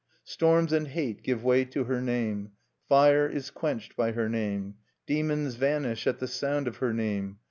Storms and hate give way to her name. Fire is quenched by her name. Demons vanish at the sound of her name.